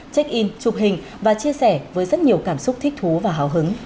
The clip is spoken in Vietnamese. check in chụp hình và chia sẻ với rất nhiều cảm xúc thích thú và hào hứng